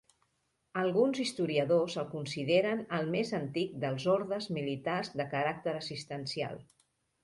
Alguns historiadors el consideren el més antic dels ordes militars de caràcters assistencial.